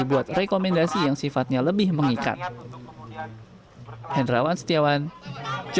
ombudsman perwakilan daerah istimewa yogyakarta akan melaporkan kepada tim resolusi